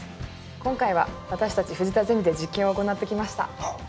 今回は私たち藤田ゼミで実験を行ってきました。